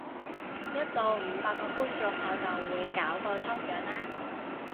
一到五百個觀眾我就會搞個抽獎喇！